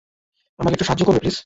আমাকে একটু সাহায্য করবে, প্লিজ?